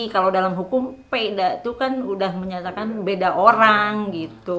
kalau dalam hukum peda itu kan udah menyatakan beda orang gitu